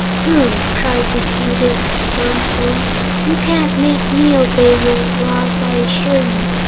"Pooh!" cried the Su dic scornfully. "You can't make me obey your laws, I assure you.